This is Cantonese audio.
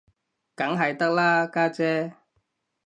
梗係得啦，家姐